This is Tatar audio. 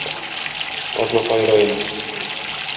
Азнакай районы.